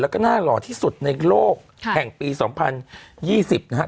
แล้วก็น่าหล่อที่สุดในโลกแห่งปี๒๐๒๐นะฮะ